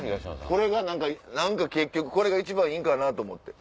これが何か結局これが一番いいんかなと思って。